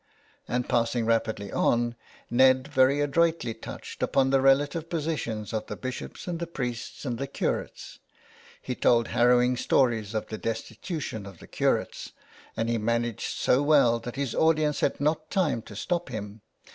And passing rapidly on Ned very adroitly touched upon the relative posi tions of the bishops and the priests and the curates. He told harrowing stories of the destitution of the curates, and he managed so well that his audience had not time to stop him.